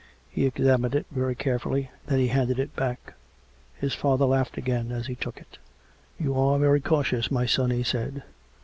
He examined it very carefully; then he handed it back. His father laughed again as he took it. " You are very cautious, my son," he said.